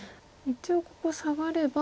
一応ここサガれば。